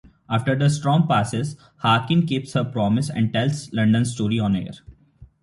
After the storm passes, Harkin keeps her promise and tells London's story on air.